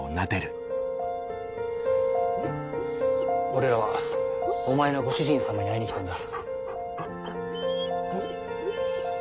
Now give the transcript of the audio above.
俺らはお前のご主人様に会いに来たんだ。